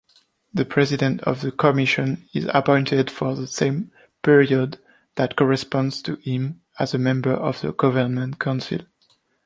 The president of the Comission is appointed for the same period that corresponds to him as a member of the Government Council.